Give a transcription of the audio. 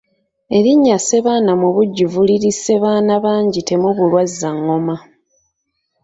Erinnya Ssebaana mu bujjuvu liri Ssebaana bangi temubulwa azza ngoma.